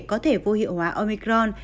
có thể vô hiệu hóa omicron